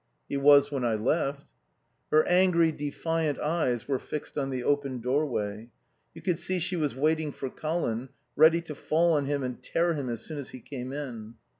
"He was when I left." Her angry, defiant eyes were fixed on the open doorway. You could see she was waiting for Colin, ready to fall on him and tear him as soon as he came in.